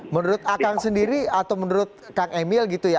menurut akang sendiri atau menurut kang emil gitu ya